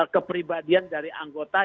kepribadian dari anggota